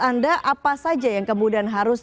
anda apa saja yang kemudian harus